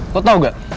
lo tau gak